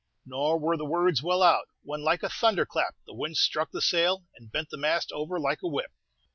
Nor were the words well out, when, like a thunder clap, the wind struck the sail, and bent the mast over like a whip.